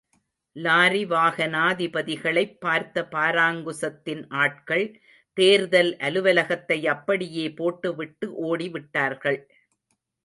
Lorry வாகனாதிபதிகளைப் பார்த்த பாராங்குசத்தின் ஆட்கள் தேர்தல் அலுவலகத்தை அப்படியே போட்டுவிட்டு, ஓடி விட்டார்கள்.